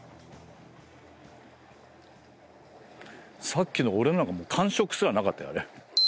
さっきの俺のなんか感触すらなかったよね。